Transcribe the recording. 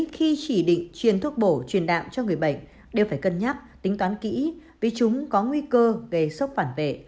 khi chỉ định chuyên thuốc bổ truyền đạm cho người bệnh đều phải cân nhắc tính toán kỹ vì chúng có nguy cơ gây sốc phản vệ